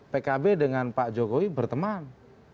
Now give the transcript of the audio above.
pkb dengan pak jokowi berteman